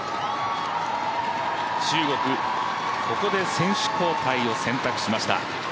中国、ここで選手交代を選択しました。